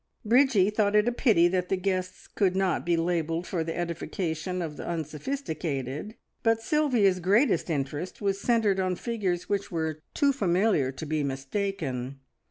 Bridgie thought it a pity that the guests could not be labelled for the edification of the unsophisticated, but Sylvia's greatest interest was centred on figures which were too familiar to be mistaken.